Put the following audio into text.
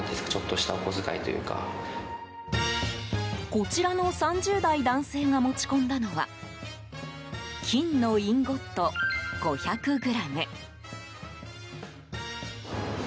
こちらの３０代男性が持ち込んだのは金のインゴット５００ｇ。